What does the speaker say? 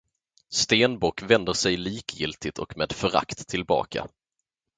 Stenbock vänder sig likgiltigt och med förakt tillbaka.